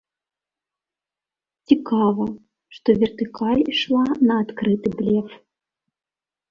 Цікава, што вертыкаль ішла на адкрыты блеф.